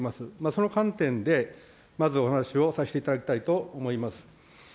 その観点でまずお話をさせていただきたいと思います。